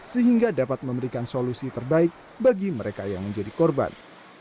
sehingga dapat memberikan solusi terbaik bagi mereka yang menjadi korban